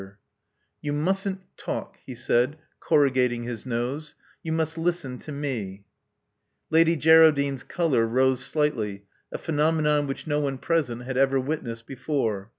230 Love Among the Artists •*You mustn't talk," he said, corrugating his nose. You must listen to me." Lady Geraldine's color rose slightly, a phenomenon which no one present had ever witnessed before.